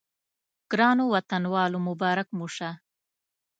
ګرانو وطنوالو مبارک مو شه.